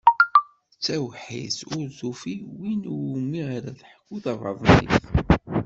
D tawḥidt, ur tufi win iwumi ara teḥku tabaḍnit.